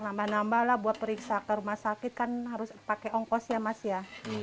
nambah nambahlah buat periksakan rumah sakit kan harus pakai ongkos ya mas ya